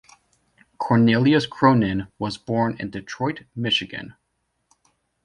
Cornelius Cronin was born in Detroit, Michigan.